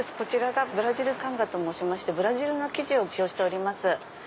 「ブラジルカンガ」と申しましてブラジルの生地を使用してます。